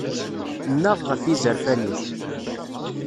Nnaɣ ɣef yizerfan-ik.